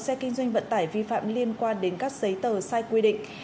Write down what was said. xe kinh doanh vận tải vi phạm liên quan đến các giấy tờ sai quy định